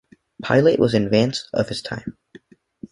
Pilate was in advance of his time.